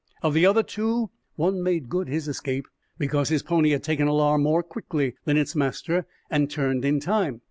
Of the other two, one made good his escape, because his pony had taken alarm more quickly than its master and turned in time.